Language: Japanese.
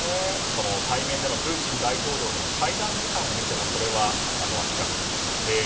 その対面でのプーチン大統領との会談時間を見てもそれは明らかと。